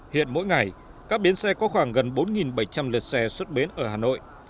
hiện mỗi ngày các bến xe có khoảng gần bốn bảy trăm linh lượt xe xuất bến ở hà nội